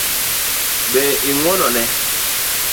Be ing'uono ne?